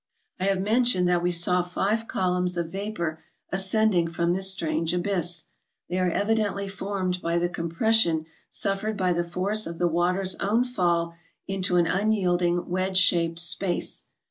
I have mentioned that we saw five columns of vapor ascending from this strange abyss. They are evidently formed by the compression suffered by the force of the water's own fall into an unyielding wedge shaped space.